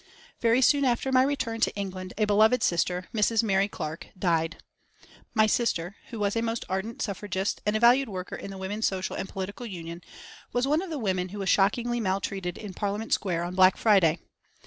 Very soon after my return to England a beloved sister, Mrs. Mary Clarke died. My sister, who was a most ardent suffragist and a valued worker in the Women's Social and Political Union, was one of the women who was shockingly maltreated in Parliament Square on Black Friday.